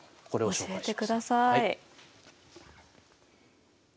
教えてください。